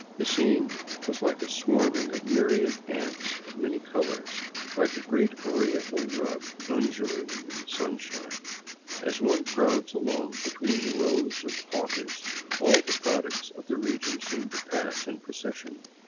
The scene was like a swarming of myriad ants of many colors ; like a great Oriental rug un dulating in the sunshine. As one crowds along between the rows of 175 VAGABONDING DOWN THE ANDES hawkers, all the products of the region seem to pass in procession.